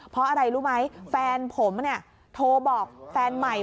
เพราะอะไรรู้ไหมแฟนผมเนี่ยโทรบอกแฟนใหม่